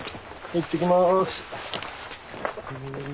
いってきます。